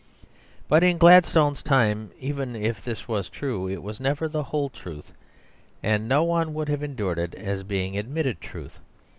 But in Gladstone's time, even if this was true, it was never the whole truth; and no one would have endured it being the admitted truth.